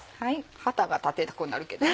旗が立てたくなるけどね。